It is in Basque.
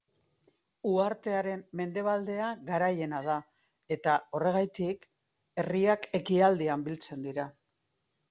Uhartearen mendebaldea garaiena da eta, horregatik, herriak ekialdean biltzen dira.